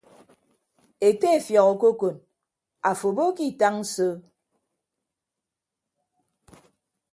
Ete efiọk okokon afo abo ke itañ so.